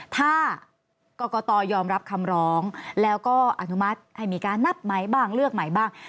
ถ้ากรกตยอมรับคำร้องแล้วก็อนุมัติให้มีการนับไหมบ้างเลือกใหม่บ้าง